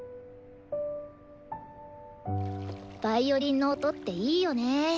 ヴァイオリンの音っていいよね。